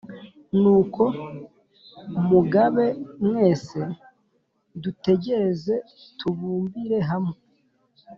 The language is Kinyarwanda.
nuko mugabe mwese!du tugerezetubumbire hamwe